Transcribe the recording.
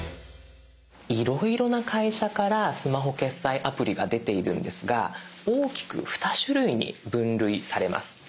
いろいろな会社からスマホ決済アプリが出ているんですが大きく二種類に分類されます。